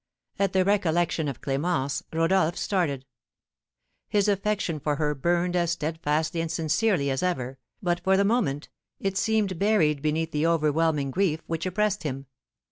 At the recollection of Clémence, Rodolph started; his affection for her burned as steadfastly and sincerely as ever, but, for the moment, it seemed buried beneath the overwhelming grief which oppressed him.